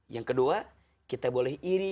yang kedua kita boleh iri